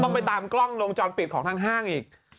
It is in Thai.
ไปตามกล้องวงจรปิดของทางห้างอีก